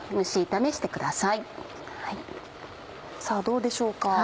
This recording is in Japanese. さぁどうでしょうか？